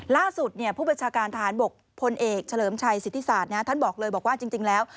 ล่าสุดเนี่ยผู้ประชาการทหารบกพลเอกเฉลิมชัยศิษฐิษศาสตร์นะท่านบอกเลยบอกว่าจริงแล้ว